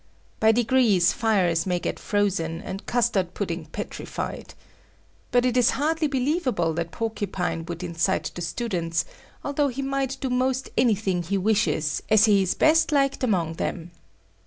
By degrees, fires may get frozen and custard pudding petrified. But it is hardly believable that Porcupine would incite the students, although he might do most anything he wishes as he is best liked among them.